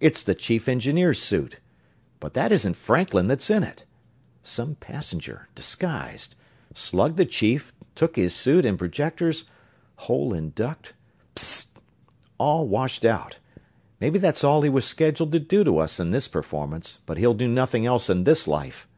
It's the chief engineer's suit, but that isn't Franklin that's in it. Some passenger disguised slugged the chief took his suit and projectors hole in duct p s s t! All washed out! Maybe that's all he was scheduled to do to us in this performance, but he'll do nothing else in this life!"